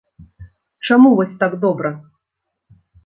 Чаму вось так добра?